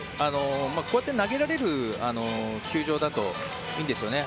こうやって投げられる球場だといいんですよね。